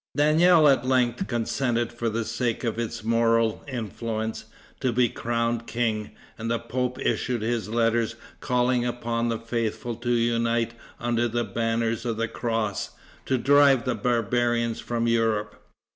Daniel at length consented, for the sake of its moral influence, to be crowned king, and the pope issued his letters calling upon the faithful to unite under the banners of the cross, to drive the barbarians from Europe.